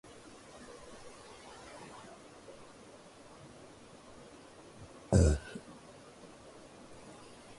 بسوں کا ریکارڈ بتاتا ہے کہ عملا یہ تعداد بہت کم ہے۔